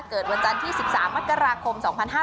เกิดวันจันทร์ที่๑๓มกราคม๒๕๕๙